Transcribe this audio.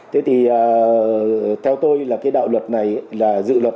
theo tôi dự luật này phản ánh khá tốt